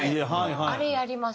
あれやります。